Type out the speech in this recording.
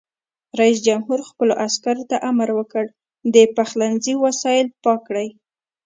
رئیس جمهور خپلو عسکرو ته امر وکړ؛ د پخلنځي وسایل پاک کړئ!